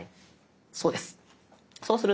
そうです。